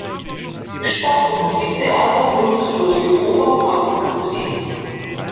Die Sparte Musiktheater wird durch die Oper Frankfurt bedient.